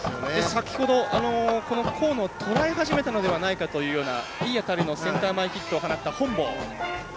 先ほど、河野をとらえ始めたのではないかといい当たりのセンター前ヒットを放った本坊。